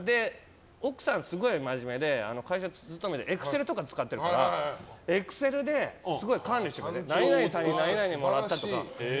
奥さん、すごい真面目で会社勤めでエクセルとか使ってるからエクセルで、すごい管理してて何々さんに何もらったとか。